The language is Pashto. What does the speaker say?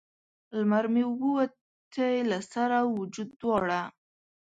لمر مې ووتی له سر او وجود دواړه